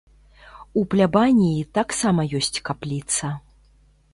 У плябаніі таксама ёсць капліца.